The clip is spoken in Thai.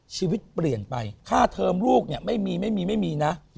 ชีวิตเปลี่ยนไปค่าเทอมลูกเนี่ยไม่มีไม่มีนะ